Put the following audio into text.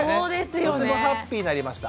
僕もハッピーになりました。